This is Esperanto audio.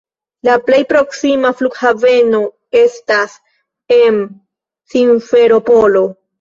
La plej proksima flughaveno estas en Simferopolo.